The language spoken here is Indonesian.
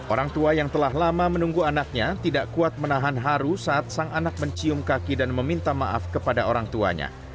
orang tua yang telah lama menunggu anaknya tidak kuat menahan haru saat sang anak mencium kaki dan meminta maaf kepada orang tuanya